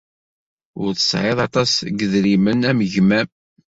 Ur tesɛid aṭas n yedrimen am gma-m.